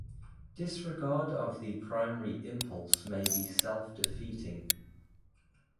Disregard of the primary impulse may be self-defeating.